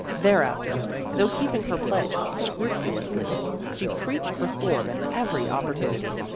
There after, though keeping her pledge scrupu lously, she preached reform at every opportunity.